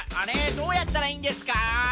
どうやったらいいんですか？